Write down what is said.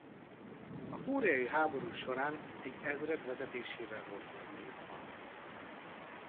A koreai háború során egy ezred vezetésével volt megbízva.